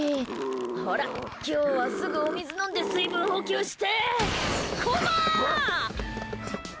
ほら、今日はすぐお水飲んで水分補給してこまー！